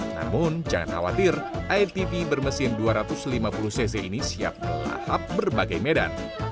namun jangan khawatir itv bermesin dua ratus lima puluh cc ini siap melahap berbagai medan